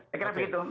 saya kira begitu